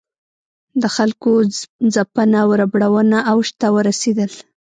د خلکو ځپنه او ربړونه اوج ته ورسېدل.